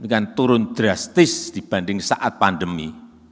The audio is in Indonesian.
ini kan turun drastis dibanding saat pandemi